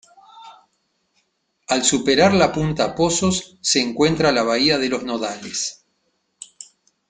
Al superar la punta Pozos se encuentra la bahía de los Nodales.